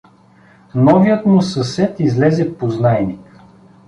Новият му съсед излезе познайник.